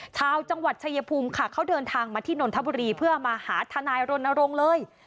ชาวจังหวัดชายภูมิค่ะเขาเดินทางมาที่นนทบุรีเพื่อมาหาทนายรณรงค์เลย